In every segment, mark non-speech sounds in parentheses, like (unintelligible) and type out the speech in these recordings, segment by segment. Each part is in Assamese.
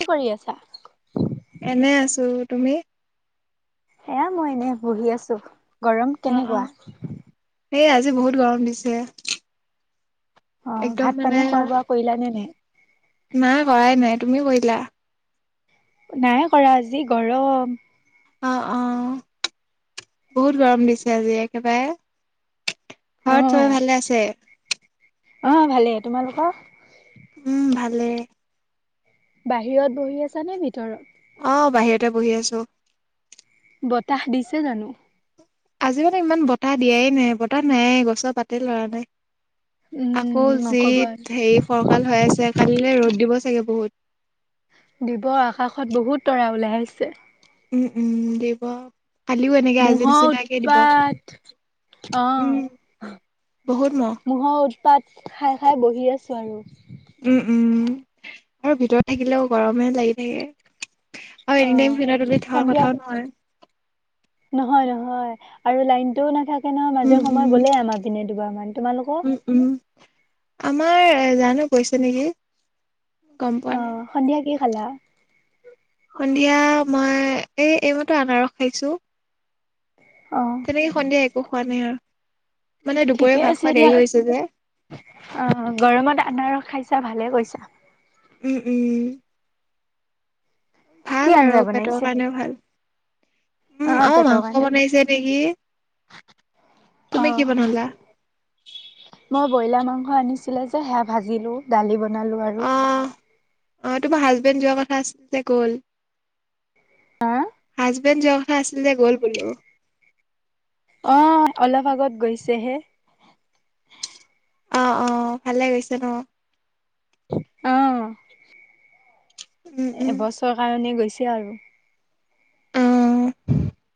কি কৰি আছা? এনে আছো তুমি? এয়া মই এনে বহি আছো। গৰম অ অ। কেনেকুৱা? এই আজি বহুত গৰম দিছে। অ একদম ভাত মানে পানী খোৱা-বোৱা কৰিলা নে নাই? নাই কৰাই নাই, তুমি কৰিলা? নাই কৰা আজি গৰম। অহ অহ। বহুত গৰম দিছে আজি একেবাৰে। অ ঘৰত চবে ভালে আছে? অ ভালে তোমালোকৰ? উম ভালে। বাহিৰত বহি আছা নে ভিতৰত? অ বাহিৰতে বহি আছো। বতাহ দিছে জানো? আজি মানে ইমান বতাহ দিয়াই নাই বতাহ নাই গছৰ পাতেই লৰা নাই। আকৌ উম যি নকবা হেৰি ফৰকাল হৈ আছে কালিলে ৰ'দ দিব দিব বহুত। দিব আকাশত বহুত তৰা ওলাই আহিছে। উম উম দিব। কালিও এনেকে আজি ম'হৰ নিচিনাকে দিব উৎপাত, উম। অহ। বহুত মহ মহৰ উৎপাত খাই -খাই বহি আছো আমি। উম উম। আৰু ভিতৰত থাকিলেও গৰমে লাগি থাকে। আৰু অ এনি টাইম ফেনৰ তলিত থকাৰ সন্ধিয়া, কথাও নহয়। নহয় নহয়। আৰু লাইনটো নাথাকে। তে নহয় উম, মাজে সময়ত উম, গলেই আমাৰ পিনে দুবাৰ মান, তোমালোকৰ? উম, উম, আমাৰ জানো গৈছে নেকি। গম পোৱা নাই। অহ। সন্ধিয়া কি খালা? সন্ধিয়া মই এই এইমাতো আনাৰস খাইছো। অ তেনেকে সন্ধিয়া একো খোৱা নাই আৰু মানে ঠিকে দুপৰীয়া ভাত আছে খোৱা দিয়া দেৰি হৈছে যে। অ গৰমত আনাৰস খাইছো ছা ভালে কৈছা। উম উম কি ভাল আৰু আঞ্জা পেটৰ বনাইছে কাৰণেও ভাল। অ উম আহ পেটৰ মাংস কাৰণে বনাইছে নেকি? অ তুমি কি বনালা? মই ব্ৰইলাৰ মাংস আনিছিলে যে সেয়া ভাজিলো, দালি বনালো আৰু অ', অ', তোমাৰ হাজবেণ্ড যোৱা কথা আছিল যে গ'ল। আহ! হাজবেণ্ড যোৱা কথা আছিল যে গ'ল বোলো। অহ অলপ আগত গৈছেহে। অ অ ভালে গৈছে ন। অ, উম, উম, এবছৰ কাৰনে গৈছে। চে আৰু। অ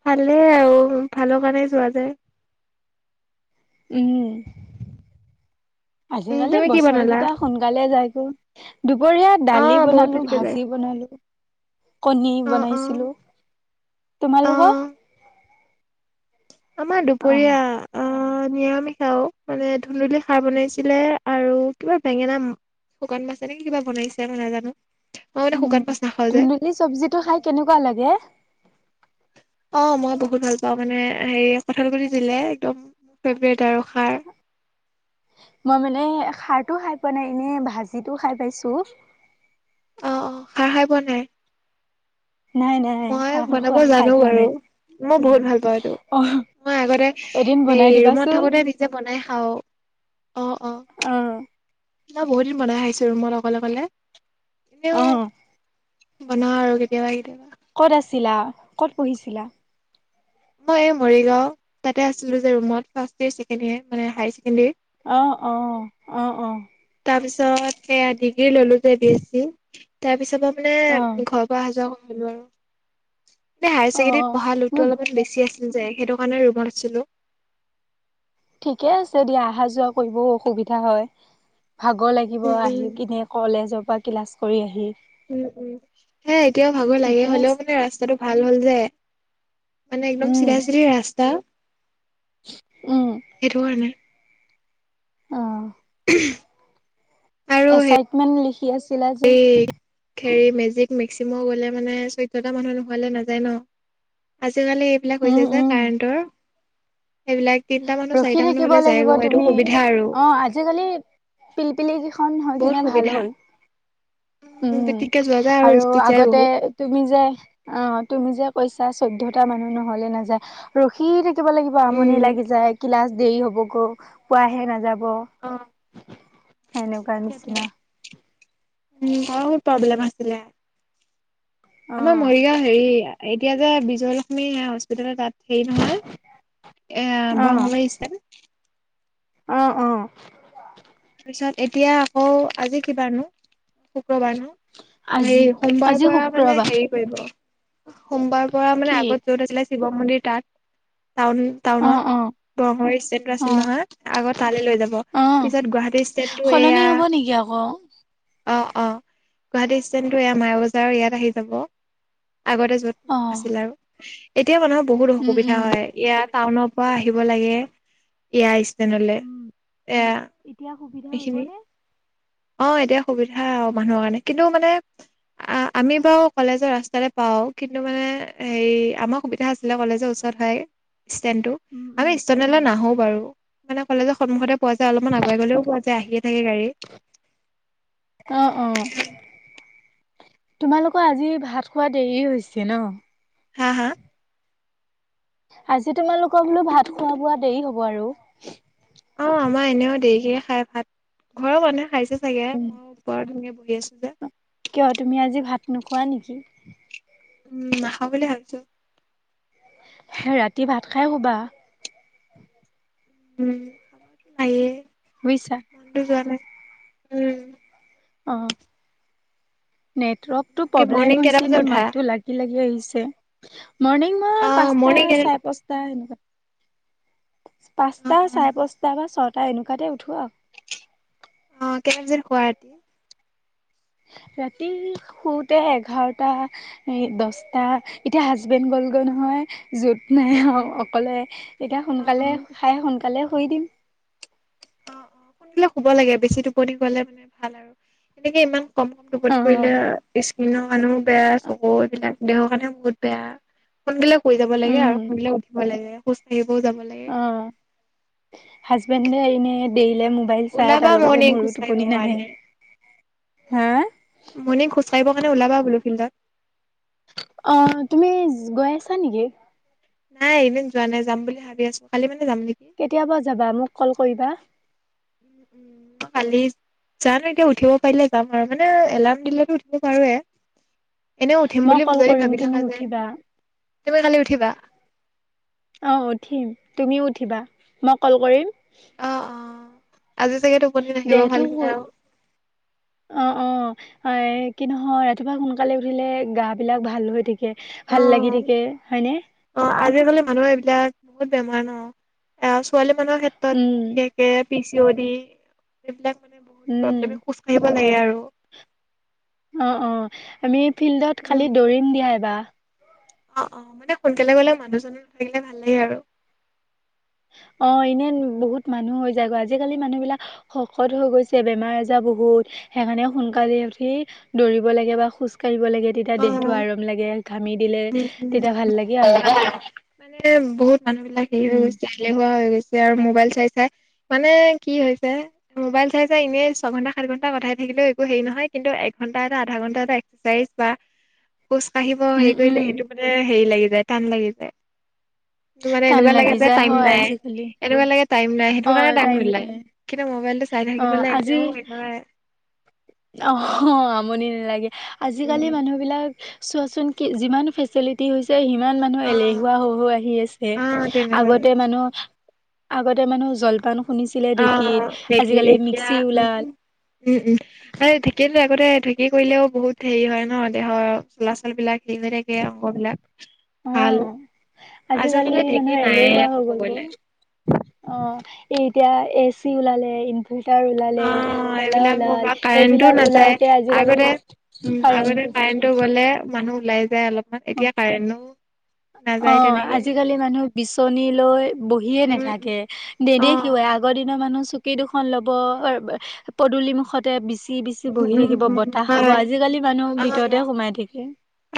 ভালেই আৰু ভালৰ কাৰণে যোৱা যে। উম, উম আজিকালি তুমি কি বছৰ বনালা কেইটা সোনকালে যায় গে। দুপৰীয়া অ দালি বহুত বনালোঁ, দেৰিকে যায় ভাজি বনালোঁ। কণী অ অ বনাইছিলো, অ তোমালোকৰ? আমাৰ অ দুপৰীয়া অ নিৰামিষাও মানে ধুন্দুলি খাৰ বনাইছিলে আৰু কিবা বেঙেনা শুকান মাছে এ নেক কি কিবা বনাইছে মই নাজানো। মই মানে উ শুকান মাছ নাখাও যে ধুন্দুলী চব্জিটো খাই কেনেকুৱা লাগে। অ মই বহুত ভাল পাওঁ মানে হেৰি কঁঠাল, গুটি দিলে একদম ফেভৰেট আৰু- খাৰ উ মই মানে খাৰটো খাই পোৱা নাই এনে ভাজিটো খাই পাইছো। অ অ খাৰ খাই পোৱা নাই নাই নাই মই খাৰ বনাব খোৱা খাই জানো পোৱা বাৰু- নাই। মই বহুত ভাল পাওঁ এইটো, অ মই আগতে হ এদিন বনাই ৰুমত দিবাচোন। থাকোতে নিজে বনাই- অ অঁ অঁ অ। নাই বহুত দিন বনাই খাইছো ৰুমত অকলে অকলে এনেও অ মন আৰু কেতিয়াবা কেতিয়াবা ক'ত আছিলা ক'ত পঢ়িছিলা? মই মৰিগাঁও তাতে আছিলো যে ৰুমত ফাৰ্ষ্ট ইয়াৰ ছেকেড ইয়েৰ, মানে হাই ছেকেণ্ডাৰীত আহ অ আহ অ তাৰ পিছত সেয়া ডিগ্ৰী ললো যে বি এছি তাৰপিছত- মানে অ ঘৰৰ পৰা অহা যোৱা কৰি হলো আৰু- এ হায়াৰ অ অ ছেকেণ্ডাৰীত পঢ়া লোতটো মোৰ অলপমান বেছি আছে। য সেইটো কাৰণে ৰুমত আাছিলো। ঠিকে আছে দিয়া অহা যোৱা কৰিবও অসুবিধা হয়। ভাগৰ লাগিব উম আহি কিনে কলেজৰ পৰা ক্লাছ কৰি আহি। উম উম হে এতিয়াও ভাগৰ লাগে ঠিকে হলেও আছে মানে ৰাস্তাটো ভাল হ'ল যে- মানে একদম চিধা চিধী ৰাস্তা চিক সেইটো কাৰনে উ এচাইনমেণ্ট লিখি আছিলা যে। হেৰি মেজিক মেক্সিম গ'লে মানে চৈধ্যটা মানুহ নোহোৱালৈ নাযায় ন। আজিকালি এইবিলাক উম হৈছে যে উম কাৰেণ্টৰ এইবিলাক তিনটা মানুহ ৰখি চাৰিটা মানুহ থাকিব হলে লাগিব যায়গৈ এইটো তুমি সুবিধা আৰু আহ আজিকালি পিলপিলি কেইখন হৈ বহুত কিনে ভাল সুবিধা হ'ল উম পিটিককে যোৱা যায় আৰু স্পীড যায় আগতে বহুত তুমি যে অ তুমি যে কৈছ। চৈধ্য়টা মানুহ নহলে নাযায় ৰখি থাকিব লাগিব আমনি উম লাগি যায়। ক্লাছ দেৰি হ'ব গ পোৱাহে নাযাব। অ এনেকুৱাৰ নিচিনা উ বত প্ৰব্লেম আছিলে, অ আমাৰ মৰিগাঁও হেৰি, এতিয়া যে বিজয় লক্ষ্মী হস্পিতাল তাত সেই নহয় এ অ বং (unintelligible) অ অ তাৰপিছত এতিয়া আকৌ আজি বাৰ নো? শুক্ৰবাৰ না আজি হেই সোমবাৰ আজি পৰা মানে শুক্ৰবাৰ হেৰি কৰিব সোমবাৰৰ পৰা মানে কি আগত যত আছিলে শিৱ মন্দিৰ তাত টাউন অ টাউনত অ (unintelligible) অ আছিল নহয় আগত তালৈ লৈ যাব অ পিছত গুৱাহাটী। ষ্টেটটো এয়া সলনি হ'ব নেকি আকৌ অ অ গুৱাহাটী ষ্টেণ্টো এ মায়া' বজাৰৰ ইয়াত আহি যাব আগতে যত অ মানে আছিল আৰু এতিয়া মানুহৰ বহুত উম অসুবিধা উম হয় ইয়া টাউনৰ পৰা আহি (unintelligible) থাকিব লাগে এয়াৰ ষ্টেনলে উম এয়া এতিয়া সুবিধা হ'ব সেইখিনি নে অ এতিয়া সুবিধা আৰু মানুহৰ কাৰণে কিন্তু মানে আ আমি বাৰু কলেজৰ ৰাস্তাতে পাও কিন্তু মানে হেৰি আমাৰ সুবিধা আছিলে কলেজৰ ওচৰত হই ষ্টেণ্ডটো উম আমি উম ষ্টেণ্ডলৈ নাহো বাৰু মানে কলেজৰ সন্মখতে পোৱা যায় অলপমান আগুৱাই গ'লেও। পোৱা আহিয়ে থাকে গাড়ী। অ অ তোমালোকৰ আজি ভাত খোৱা দেৰি হৈছে ন। হা হা। আজি তোমালোকৰ বোলো ভাত খোৱা বোৱা দেৰি হ'ব আৰু অ আমাৰ এনেও দেৰিক খাই ভাত ঘৰৰ মানুহে খাইছে চাগে উম। মোৰ ওপৰত ধুন। (unintelligible) কিয় তুমি আজি ভাত নোখোৱা নেকি? উম নাখাওঁ বুলি ভাবিছো। ৰাতি ভাত খাই শোবা উম আএ বুজিছা। মানুটো যোৱা নাই উম। অ নেটৱৰ্কতটো বাকী প্ৰব্লেম মৰ্ণিং কেইটা হৈছে নি বজাত উঠা মাততো লাগি লাগি আহিছে। মৰ্ণিং অ মই পাঁচটা মৰ্ণিং কেই চাৰে পাঁচটা সনেকুৱা। অ পাঁচটা অ চাৰে পাঁচটা বা ছয়টা এনেকুৱাতে উঠো। অ কেটা বজাত শুৱা ৰাতি (unintelligible) ৰাতি শুওঁতে এঘাৰটা দছটা এতিয়া হাজবেণ্ড গ'লগৈ নহয়। য'ত নাই উম অকলে তেতিয়া অ সোনকালে অ খাই সোনকালে শুই দিম। অ অ সোনকালে শুব লাগে বেছি টোপনি গলে মানে ভাল আৰু এনেকে ইমান। কম কম টোপনি অ', কৰিলে স্কিনৰ মানুহো বেয়া চক এইবিলাক। দেহৰ কাৰণে বহুত বেয়া সোনকালে শুই যাব লাগে উম আৰু সোনকালে উঠিব লাগে খোজ কাঢ়িব। অ হাজবেণ্ডে এনেই দেৰি মোবাইল চাই ওলাবা তাৰ লগতে মোৰো টোপনি নাহে। হা মইনে খোজ কাঢ়িবৰ কাৰণে ওলাবা বোলো ফিল্ডত অ তুমি গৈ আছা নেকি? নাই এদিন যোৱা নাই যাম বুলি ভাবি আছো খালি মানে। যাম নেকি কেতিয়াবা যাবা মোক কল কৰিবা। (unintelligible) খালিছ। জানো এতিয়া উঠিব পাৰিলে যাম আৰু মানে এলাৰ্ম দিলেতো উঠিব পাৰুৱে। এনেও উঠিম মই বুলি কল যদি কৰিম ভাবি তুমি থকা যে উঠিবা তুমি কালি উঠিবা। অ উঠিম তুমিও উঠিবা মই কল কৰিম। অ অ আজি চাগে টোপনি নাহিব দেহটো ভালকে আৰু এ কি নহয় ৰাতিপুৱা সোনকালে উঠিলে গা বিলাক ভাল হৈ থিক। অ ভাল লাগি থাকে হয়নে। অ আজিকালি মানুহৰ এইবিলাক বহুত বেমাৰ ন এ ছোৱালী মানুহৰ ক্ষেত্ৰত উম বিশেষকে পি চি অ দি এইবিলাক মানে বহুত উম প্ৰব্লেমে খোজ কঢ়িব লাগে আৰু অ অ আমি ফিল্ডত উম খালি দৌৰিম দিয়া এইবাৰ। অ অ মানে সোনকালে গলে মানুহজননৰ নথাকিলে ভাল লাগে আৰু উ অ এনে বহুত মানুহ হৈ যায়গৈ আজিকালি মানুহ বিলাক শকত হৈ গৈছে বেমাৰ আজাৰ বহুত। সেইকাৰণে সোনকালে উঠি দৌৰিব লাগে বা খোজ কঢ়িব লাগে তেতিয়া অ দেহতটো উম, আৰাম লাগে। ঘামি দিলে উম তেতিয়া ভাল লাগে আৰু হম মানে বহুত মানুহ বিলাক হেৰি হৈ উম গৈছে এহুৱা হৈ গৈছে আৰু মোবাইল চাই চাই মানে কি হৈছে মোবাইল চাই চাই এনেই ছঘন্টা। সাত ঘণ্টা পঠাই থাকিলেও একো হেৰি নহয় কিন্তু এঘণ্টা এটা আধা ঘণ্টা এটা এক্সাৰচাইজ বা। (inaudible) পোচ উম আহিবই। উম মান হেৰি লাগি যায় টান লাগি যায়। মানে টান এনেকুৱা লাগে লাগি যে যায় টাইম হয় নাই আজিকালি এনেকুৱা লাগে টাইম নাই সেইটো অ কাৰণে টাইম নোলাই নিদিয়ে কিন্তু মোবাইলটো চাই অ থাকিবলৈ আজি একদম এক নাই অ হ আমনি নালাগে আজিকালি উম, মানুহ বিলাক চোৱাচোন কি যিমান ফেচিলিটী এই ইমান মানুহ অ', এলেহুৱা হৈ হৈ আহি আছে অ', তেনেকুৱাই। আগতে মানুহ আগতে মানুহ জলপান খুন্দিছিলে ঢেঁকীত অ', ঢেঁকীত আজিকালি এতিয়া মিক্সি ওলাল এই ঢেঁকী আগতে ঢেঁকী কৰিলেও বহুত হেৰি হয় ন দেহৰ চলাচল বিলাক হেৰি হৈ থাকে অংগ বিলাক অ আজিকালি ঢেঁকী মানুহৰ এলেহুৱা নাইয়ে ক'ব হৈ গ'ল গ'লে। ক অ এই এতিয়া এ চি ওলালে ভূটাৰ ওলালে অ', ক'লা এইবিলাক ওলাল কাৰেণ্টটো সেইবিলাক নাযায় ওলাওতে আজিকালি আগতে উম, আগতে কাৰেণ্ট কাৰেণ্টটো গ'লে মানুহ ওলাই যায় অলপমান অ এতিয়া কাৰেনো অ আজিকালি মানুহ বিচনী লৈ বহিয়ে উম, উম, নাথাকে অ', নেদেখোৱে আগত দিনৰ মানুহ চুকেই দুখন ল'ব পদূলি মুখতে বিছ বিচি বিচি উম, বহি উম, থাকিব উম, বতাহ খাব হয়। আজিকালি মানুহ ভিতৰতে সোমাই থাকে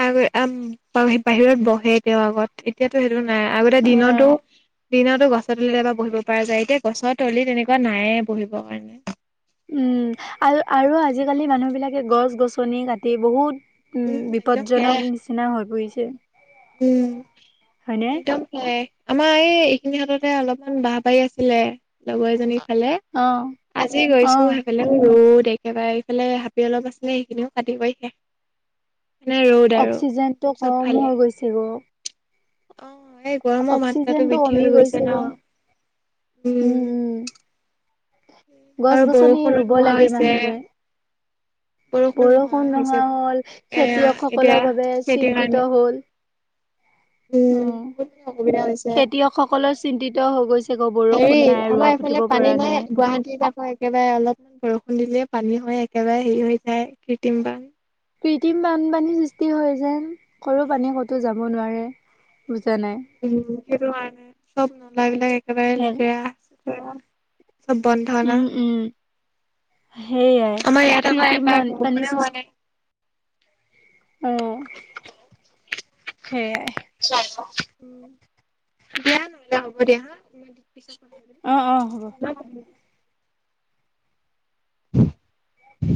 আমে আম বাহিৰত বহ সেইটোৰ আগত এতিয়াতো সেইটো নাই আগতে অ'। দিনতো দিনতো গছ তলিত এবাৰ বহিব পৰা যায় এতিয়া গছ তলি তেনেকুৱা নাইয়ে বহিবৰ কাৰণে উম আৰু আৰু আজিকালি মানুহ বিলাকে গছ গছনি কাটি বহুত উম একদম সেয়াই বিপদজনক নিচিনা হৈ পৰিছে উম হয়নে একদম এই আমাৰ এই এইখিনি হাততে অলপমান বা পাই আছিলে লগৰ এজনী সিফালে অ আজি অ গৈছোঁ সেইফালে ৰ'দ একেবাৰে এইফালে হাবি অলপ আছিলে সেইখিনিও কাটিবলৈ আহে এনে ৰ'দ আৰু চবফালে চেৰ অ এই গৰমৰ মাত্ৰাটো বৃদ্ধি কমি হৈ গৈছে গ ন উম গছ আৰু গছনি বৰষুণো ৰুব নোহোৱা লাগে হৈছে মানুহে বৰষুণ নোহোৱা হ'ল এ এতিয়া খেতিয়কসকলৰ বাবে সেইটো কাৰণে চিন্তিত হ'ল উম বহুত মানে অসুবিধা হৈছে খেতিয়ক সকলৰ চিন্তিত হৈ গৈছে গ হেৰি বৰষুণ নাই আমাৰ ৰোৱা পুতিব এইফালে পানী পৰা নাই গুৱাহাটীৰ আকৌ একেবাৰে অলপমান বৰষুণ দিলে পানী হয়ে একেবাৰে হেৰি হৈ যায় কৃত্ৰিম বান কৃত্ৰিম বানপানীৰ সৃষ্টি হয় যায় কৰো পানী ক'তো যাব নোৱাৰে বুজা নাই উম সেইটো কাৰণে চব নল বিলাক একেবাৰে হে লেতেৰা চেতেৰা চব বন্ধ ন উম উম সেইয়াই আমাৰ ইয়াত আক কৃত্ৰিম এবাৰ বানপানী বৰষুণে হোৱা নাই উম সেইয়াই উম দিয়া নহলে হ'ব দিয়া হা উম পিছত কথা অ অ হ'ব পাতিম (unintelligible)